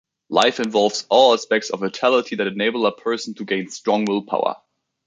Life involves all aspects of vitality that enable a person to gain strong willpower.